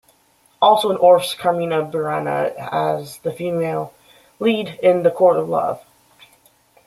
Also in Orff's "Carmina Burana" as the female lead in the Court of Love.